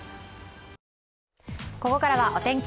ここからはお天気